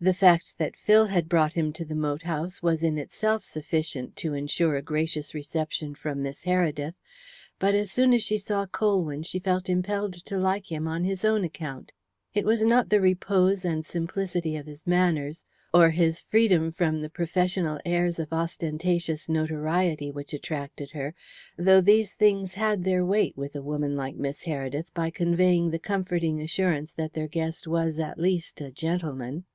The fact that Phil had brought him to the moat house was in itself sufficient to ensure a gracious reception from Miss Heredith, but as soon as she saw Colwyn she felt impelled to like him on his own account. It was not the repose and simplicity of his manners, or his freedom from the professional airs of ostentatious notoriety which attracted her, though these things had their weight with a woman like Miss Heredith, by conveying the comforting assurance that her guest was at least a gentleman.